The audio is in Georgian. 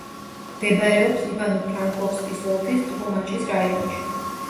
მდებარეობს ივანო-ფრანკოვსკის ოლქის ტლუმაჩის რაიონში.